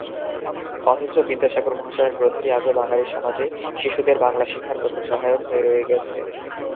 অথচ বিদ্যাসাগর মহাশয়ের গ্রন্থটি আজও বাঙালি সমাজে শিশুদের বাংলা শিক্ষার প্রথম সহায়ক হয়ে রয়ে গেছে।